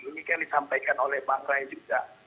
ini kan disampaikan oleh bang ray juga